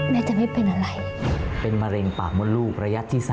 แม่จะไม่เป็นอะไร